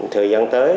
thời gian tới